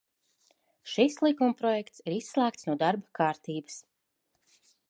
Šis likumprojekts ir izslēgts no darba kārtības.